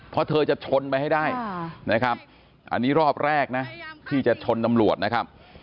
เพราะเธอจะชนไปให้ได้นะครับอันนี้รอบแรกนะที่จะชนตำรวจนะครับ